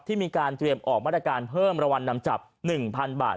ที่มีการเตรียมออกมาตรการเพิ่มรางวัลนำจับ๑๐๐๐บาท